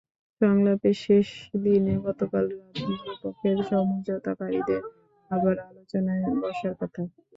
সংলাপের শেষ দিনে গতকাল রাতে দুপক্ষের সমঝোতাকারীদের আবার আলোচনায় বসার কথা।